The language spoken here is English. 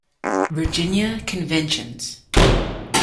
Virginia Conventions